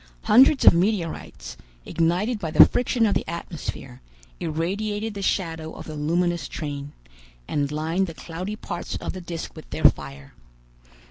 Hundreds of meteorites, ignited by the friction of the atmosphere, irradiated the shadow of the luminous train, and lined the cloudy parts of the disc with their fire.